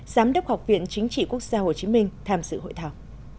giám đốc học viện chính trị quốc gia hồ chí minh tham dự hội thảo